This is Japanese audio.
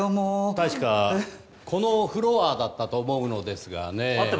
確か、このフロアだったと思うのですがね。